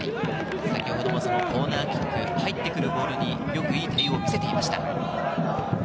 先ほどもコーナーキック入ってくるボールに、よくいい対応を見せていました。